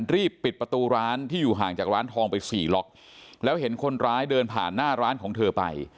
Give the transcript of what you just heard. รีบปิดประตูร้านที่อยู่ห่างจากร้านทองไปสี่ล็อกแล้วเห็นคนร้ายเดินผ่านหน้าร้านของเธอไป